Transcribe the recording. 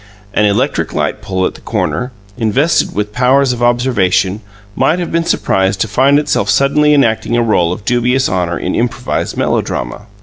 An electric light pole at the corner, invested with powers of observation, might have been surprised to find itself suddenly enacting a role of dubious honour in improvised melodrama.